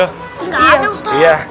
nggak ada ustaz